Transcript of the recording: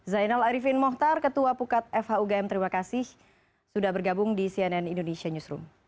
zainal arifin mohtar ketua pukat fhugm terima kasih sudah bergabung di cnn indonesia newsroom